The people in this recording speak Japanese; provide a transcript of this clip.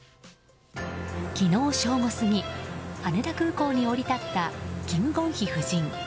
昨日正午過ぎ羽田空港に降り立ったキム・ゴンヒ夫人。